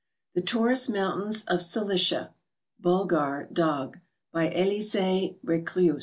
THE TAURUS MOUNTAINS OF CILICIA (BULGHAR DAGH) BY elis^:e rcleus.